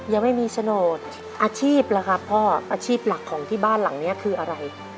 ยังไม่มีโฉนดอาชีพล่ะครับพ่ออาชีพหลักของที่บ้านหลังนี้คืออะไร